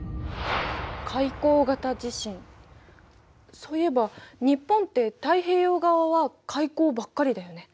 そういえば日本って太平洋側は海溝ばっかりだよね。